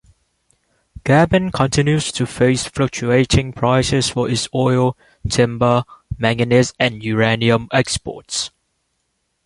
Gabon continues to face fluctuating prices for its oil, timber, manganese, and uranium exports.